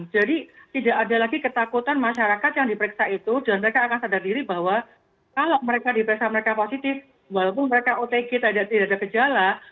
jadi tidak ada lagi ketakutan masyarakat yang diperiksa itu dan mereka akan sadar diri bahwa kalau mereka diperiksa mereka positif walaupun mereka otekit tidak ada gejala